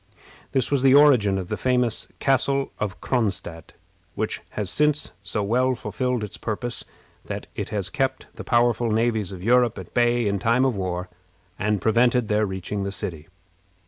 This was the origin of the famous Castle of Cronstadt, which has since so well fulfilled its purpose that it has kept the powerful navies of Europe at bay in time of war, and prevented their reaching the city.